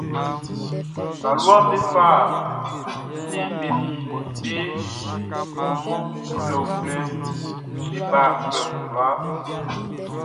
Taluaʼm be fa nnɛnʼm be nɔnnɔn uflɛuflɛʼn be ba nglɛmun kwlaa.